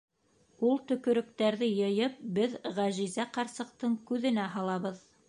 Ул төкөрөктәрҙе йыйып беҙ Ғәжизә ҡарсыҡтың күҙенә һалабыҙ.